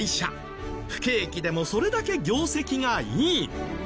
不景気でもそれだけ業績がいい。